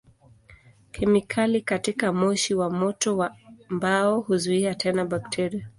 Kemikali katika moshi wa moto wa mbao huzuia tena bakteria.